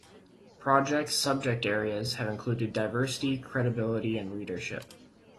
Projects subject areas have included diversity, credibility and readership.